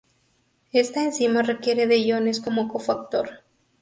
Esta enzima requiere de iones como cofactor.